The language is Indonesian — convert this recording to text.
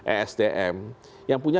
esdm yang punya